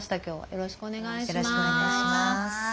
よろしくお願いします。